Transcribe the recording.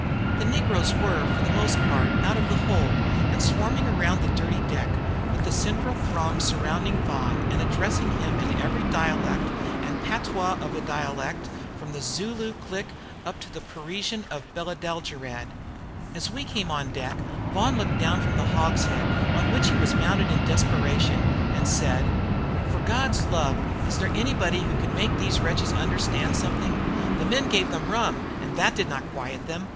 The negroes were, most of them, out of the hold, and swarming all round the dirty deck, with a central throng surrounding Vaughan and addressing him in every dialect, and patois of a dialect, from the Zulu click up to the Parisian of Beledeljereed. [Note 10] As we came on deck, Vaughan looked down from a hogshead, on which he had mounted in desperation, and said: "For God's love, is there anybody who can make these wretches understand something? The men gave them rum, and that did not quiet them.